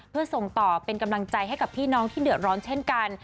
เพื่อส่งเป็นกำลังใจให้พี่น้องที่เดือดร้อน